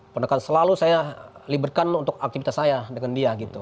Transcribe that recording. pendekatan selalu saya liberkan untuk aktivitas saya dengan dia gitu